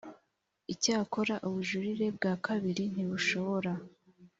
icyakora ubujurire bwa kabiri ntibushobora